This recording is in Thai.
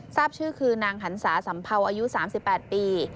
ทราบชื่อคือนางหันศาสัมเภาอายุ๓๘ปี